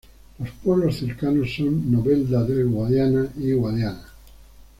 Los pueblos cercanos son Novelda del Guadiana y Guadiana.